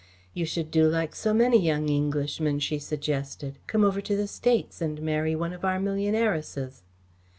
"You should do like so many young Englishmen," she suggested. "Come over to the States and marry one of our millionairesses."